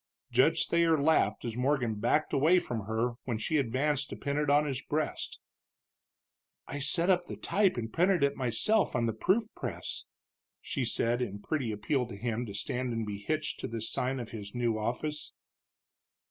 Judge Thayer laughed as Morgan backed away from her when she advanced to pin it on his breast. "I set up the type and printed it myself on the proof press," she said, in pretty appeal to him to stand and be hitched to this sign of his new office.